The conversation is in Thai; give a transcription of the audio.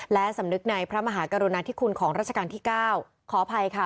และสำนึกในพระมหากรุณาธิคุณของราชการที่เก้าขออภัยค่ะ